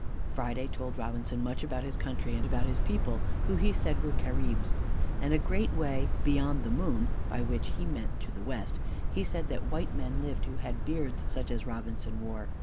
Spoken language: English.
Friday told Robinson much about his country, and about his people, who he said were Caribs. And a great way "beyond the moon," by which he meant to the west, he said that white men lived who had beards such as Robinson wore.